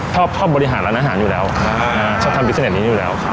ชอบชอบบริหารร้านอาหารอยู่แล้วครับใช่ชอบทำดิสเซอร์เน็ตนี้อยู่แล้วครับ